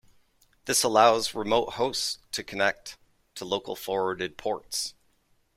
This allows remote hosts to connect to local forwarded ports.